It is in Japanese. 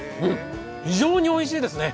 非常においしいですね。